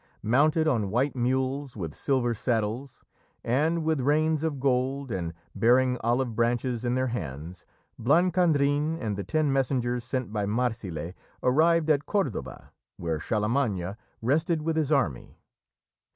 Mounted on white mules, with silver saddles, and with reins of gold, and bearing olive branches in their hands, Blancandrin and the ten messengers sent by Marsile arrived at Cordova, where Charlemagne rested with his army.